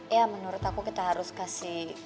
ya menurut aku kita harus kasih